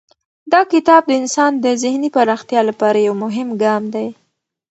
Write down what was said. دا کتاب د انسان د ذهني پراختیا لپاره یو مهم ګام دی.